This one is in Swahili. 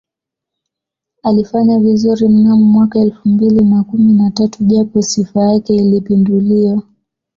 Alifanya vizuri mnamo mwaka elfu mbili na kumi na tatu japo Sifa yake ilipinduliwa